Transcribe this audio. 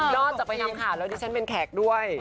จากไปทำข่าวแล้วดิฉันเป็นแขกด้วย